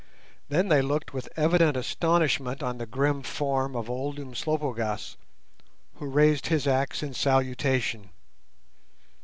Then they looked with evident astonishment on the grim form of old Umslopogaas, who raised his axe in salutation.